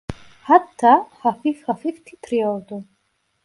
Hatta hafif hafif titriyordu.